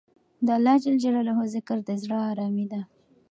د اللهﷻ ذکر د زړه ارامي ده.